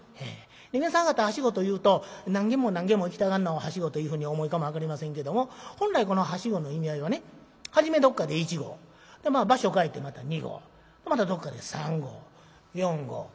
皆さん方「はしご」というと何軒も何軒も行きたがんのをはしごというふうにお思いかも分かりませんけども本来このはしごの意味合いはね初めどっかで１合でまあ場所変えてまた２合またどっかで３合４合５合。